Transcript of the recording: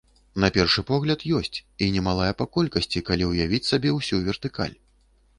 На першы погляд, ёсць, і немалая па колькасці, калі ўявіць сабе ўсю вертыкаль.